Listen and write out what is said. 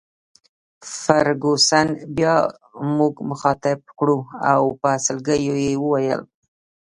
فرګوسن بیا موږ مخاطب کړو او په سلګیو یې وویل.